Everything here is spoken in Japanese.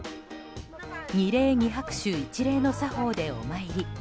二礼二拍手一礼の作法でお参り。